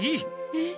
えっ！？